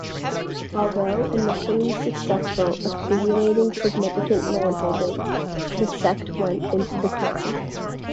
Although initially successful, accumulating significant landholdings, the sect went into decline.